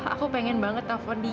aku pengen banget telfon dia